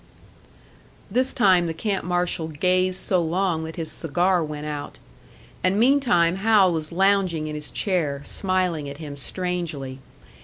This time the camp marshal gazed so long that his cigar went out. And meantime Hal was lounging in his chair, smiling at him strangely.